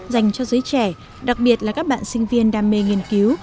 dành cho giới trẻ đặc biệt là các bạn sinh viên đam mê nghiên cứu